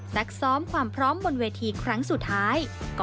ซ้อมความพร้อมบนเวทีครั้งสุดท้าย